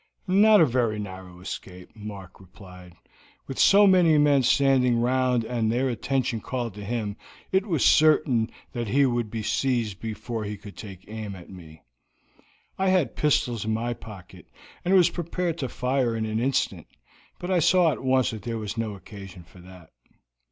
"Not a very narrow escape," Mark replied. "With so many men standing round him and their attention called to him, it was certain that he would be seized before he could take aim at me. I had pistols in my pocket, and was prepared to fire in an instant, but I saw at once that there was no occasion for that."